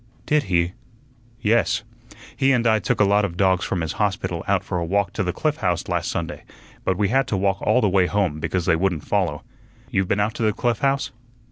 "Did he?" "Yes. He and I took a lot of dogs from his hospital out for a walk to the Cliff House last Sunday, but we had to walk all the way home, because they wouldn't follow. You've been out to the Cliff House?"